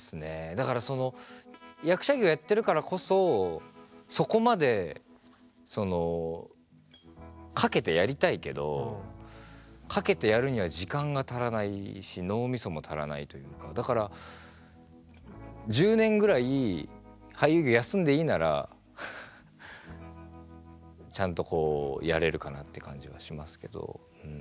だからその役者業やってるからこそそこまで懸けてやりたいけど懸けてやるには時間が足らないし脳みそも足らないというかだから１０年ぐらい俳優業休んでいいならちゃんとこうやれるかなって感じはしますけどうん。